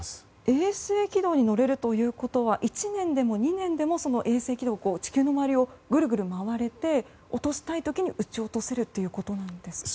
衛星軌道に乗れるということは１年でも２年でもその衛星軌道地球の周りをぐるぐると回れて落としたい時に打ち落とせるということですか？